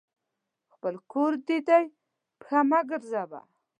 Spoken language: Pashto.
خپل کور دي دی ، پښه مه ګرځوه !